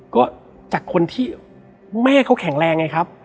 ก็จากคนที่แม่เขาแข็งแรงไงครับ